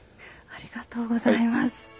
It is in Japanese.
ありがとうございます。